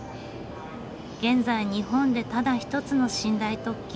現在日本でただ一つの寝台特急。